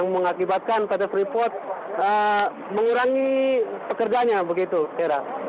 mengakibatkan pt freeport mengurangi pekerjanya begitu hera